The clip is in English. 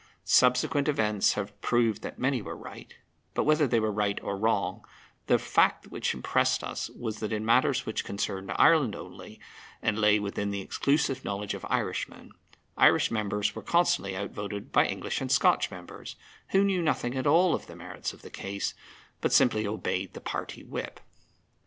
Subsequent events have proved that many were right, but, whether they were right or wrong, the fact which impressed us was that in matters which concerned Ireland only, and lay within the exclusive knowledge of Irishmen, Irish members were constantly outvoted by English and Scotch members, who knew nothing at all of the merits of the case, but simply obeyed the party whip.